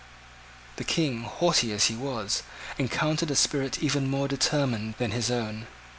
The King, haughty as he was, encountered a spirit even more determined than his own.